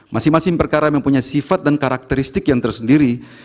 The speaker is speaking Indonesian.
masing masing perkara mempunyai sifat dan karakteristik yang tersendiri